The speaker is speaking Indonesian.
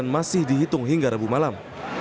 masih dihitung hingga rabu malam